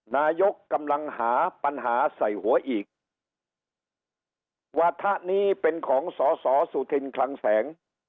นายกกำลังหาปัญหาใส่หัวอีกวาถะนี้เป็นของสอสอสุธินคลังแสง